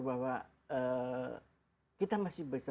bahwa kita masih bisa